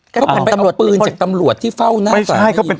เขาเป็นปืนแต่ที่เฝ้าน่าสามารถ